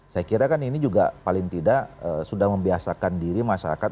saya kira kan ini juga paling tidak sudah membiasakan diri masyarakat